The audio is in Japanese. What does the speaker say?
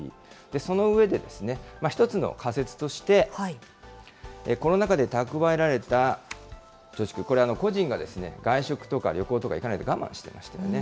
その上で、一つの仮説として、コロナ禍で蓄えられた貯蓄、これ、個人が外食とか旅行とか行かないで我慢してましたよね。